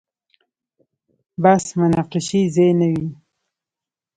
بحث مناقشې ځای نه وي.